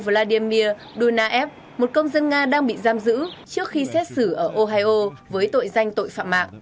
vladimir donaev một công dân nga đang bị giam giữ trước khi xét xử ở ohio với tội danh tội phạm mạng